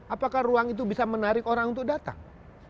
apakah ruang itu bisa menarik orang untuk datang